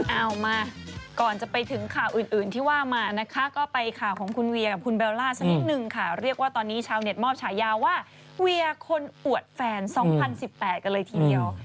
เอามาก่อนจะไปถึงข่าวอื่นที่ว่ามานะคะก็ไปข่าวของคุณเวียกับคุณเบลล่าสักนิดนึงค่ะเรียกว่าตอนนี้ชาวเน็ตมอบฉายาว่าเวียคนอวดแฟน๒๐๑๘กันเลยทีเดียว